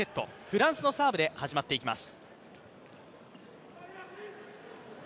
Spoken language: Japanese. フランスのサーブで始まっていきます。